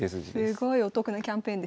すごいお得なキャンペーンですね。